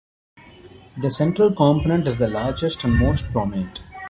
The central component is the largest and most prominent.